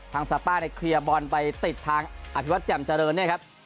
ซาป้าเนี่ยเคลียร์บอลไปติดทางอภิวัตรแจ่มเจริญเนี่ยครับ